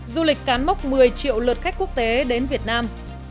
du lịch cán mốc một mươi triệu lượt khách quốc tế đến việt nam